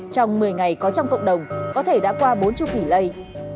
trong một mươi ngày có trong cộng đồng có thể đã qua bốn chu kỳ lây